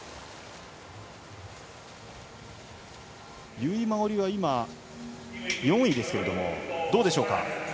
由井真緒里は４位ですがどうでしょうか？